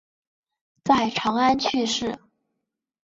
在长安去世。